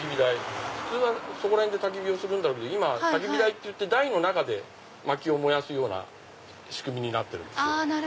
普通はそこら辺でたき火をするんだろうけど今たき火台っていって台の中でまきを燃やす仕組みなんですよ。